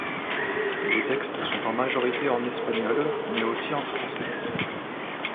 Les textes sont en majorité en espagnol, mais aussi en français.